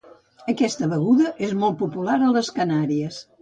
Aquesta beguda és molt popular a les Canàries.